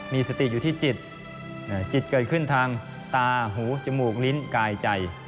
มีสติอยู่ที่จิตจิตเกิดขึ้นทางตาหูจมูกลิ้นกายใจ